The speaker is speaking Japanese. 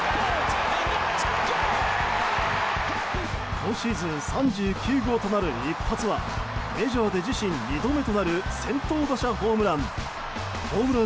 今シーズン３９号となる一発はメジャーで自身２度目となる先頭打者ホームラン。